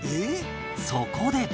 そこで